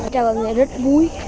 cháu rất vui